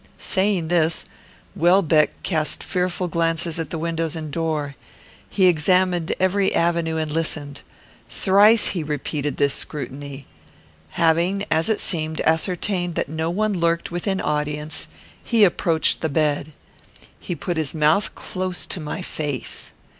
Saying this, Welbeck cast fearful glances at the windows and door. He examined every avenue and listened. Thrice he repeated this scrutiny. Having, as it seemed, ascertained that no one lurked within audience, he approached the bed. He put his mouth close to my face.